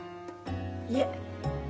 いえ。